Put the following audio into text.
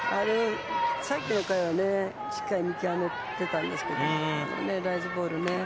さっきの回はしっかり見極めてたんですけどあのライズボールね。